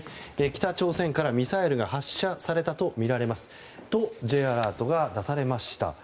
北朝鮮からミサイルが発射されたとみられますとＪアラートが出されました。